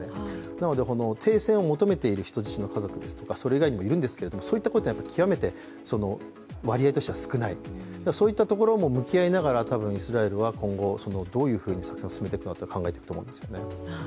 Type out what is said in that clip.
なので停戦を求めている人質の家族とかねそれ以外にもいるんですけれども、そういったことは極めて割合としては少ない、そういったところも向きあいながらイスラエルは今後どういうふうに作戦を進めるか考えていると思うんですね。